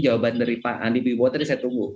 jawaban dari pak andi wibowo tadi saya tunggu